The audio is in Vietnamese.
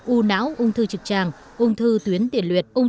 u não ung thư trực tràng ung thư tuyến tiền luyệt